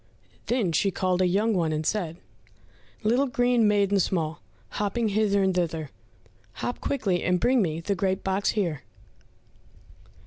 Then she called a young one and said, "Little green maiden small, Hopping hither and thither, Hop quickly and bring me The great box here."